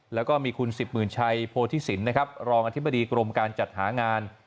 แล้วก็มีคุณสิบหมื่นชัยโพธิสินนะครับรองอธิบดีกรมการจัดหางาน